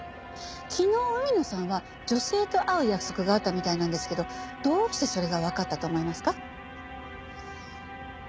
昨日海野さんは女性と会う約束があったみたいなんですけどどうしてそれがわかったと思いますか？